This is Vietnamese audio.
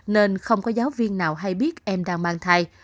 nên không có giáo viên nào hay biết em đang mang thai